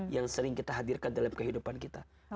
yang sering kita hadirkan dalam kehidupan kita